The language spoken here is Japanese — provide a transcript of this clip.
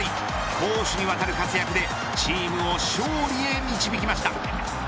攻守にわたる活躍でチームを勝利へ導きました。